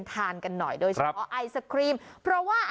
ทานกันหน่อยด้วยเฉพาะไอศกรีมเพราะว่าครับ